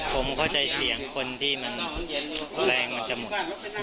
ผมเข้าใจเสียงคนที่มันแรงมันจะหมด